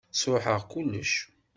Sṛuḥeɣ kullec.